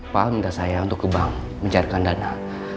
pak minta saya untuk ke bank mencairkan dana